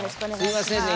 すいませんね